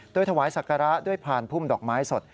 โดยถวายสักการะด้วยพานภูมิดอกไม้สด